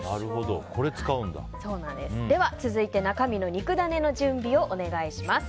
続いて、中身の肉ダネの準備をお願いします。